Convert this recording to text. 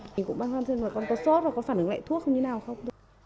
mình cũng băn khoăn xem là con có sốt và có phản ứng lại thuốc không như nào không